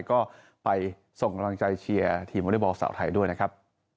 ก็ไปส่งกำลังใจเชียร์ทีมวอเล็กบอลสาวไทยด้วยนะครับ